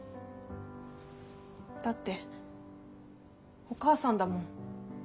だってお母さんだもん。